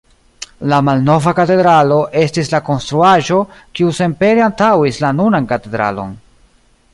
La "malnova katedralo" estis la konstruaĵo, kiu senpere antaŭis la nunan katedralon.